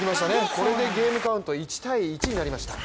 これでゲームカウント１−１となりました。